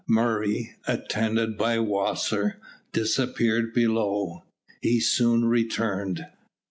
Murray, attended by Wasser, disappeared below. He soon returned.